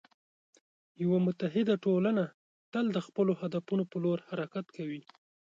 یوه متعهد ټولنه تل د خپلو هدفونو په لور حرکت کوي.